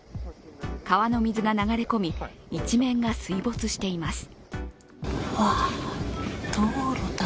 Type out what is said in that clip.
川の水が流れ込み、一面が水没しています。